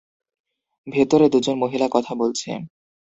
ভেতরে দুজন মহিলা কথা বলছে।